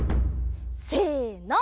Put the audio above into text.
せの。